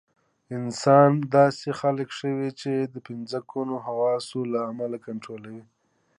انسان داسې خلق شوی چې د پنځه ګونو حواسو له امله کنټرول لري.